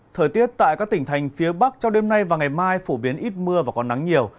thời tiết tại các tỉnh thành phía bắc trong đêm nay và ngày mai phổ biến ít mưa và có nắng nhiều